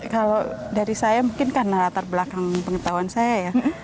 kalau dari saya mungkin karena latar belakang pengetahuan saya ya